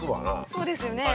そうですよね。